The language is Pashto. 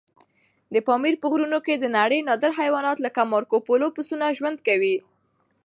د پامیر په غرونو کې د نړۍ نادر حیوانات لکه مارکوپولو پسونه ژوند کوي.